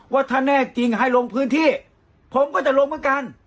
ว่าถ้าแน่จริงให้ลงพื้นที่ผมก็จะลงเหมือนกัน